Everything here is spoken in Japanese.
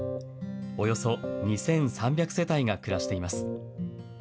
およそ２３００世帯が暮らしています。